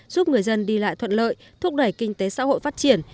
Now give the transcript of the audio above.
giúp người dân đi lại thuận lợi thúc đẩy kinh tế xã hội phát triển